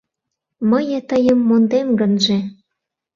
Мые тыйым мондем гынже